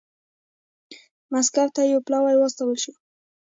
مسکو ته یو پلاوی واستول شو.